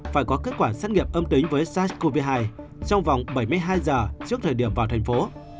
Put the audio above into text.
phải có kết quả xét nghiệm âm tính với sars cov hai trong vòng bảy mươi hai giờ trước thời điểm vào thành phố